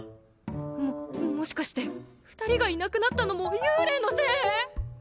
ももしかして２人がいなくなったのも幽霊のせい！？